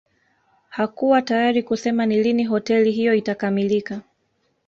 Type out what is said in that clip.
Hakuwa tayari kusema ni lini hoteli hiyo itakamilika